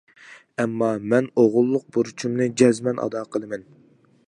ئەمما، مەن ئوغۇللۇق بۇرچۇمنى جەزمەن ئادا قىلىمەن.